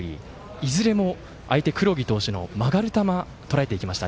いずれも相手、黒木投手の曲がる球をとらえていきました。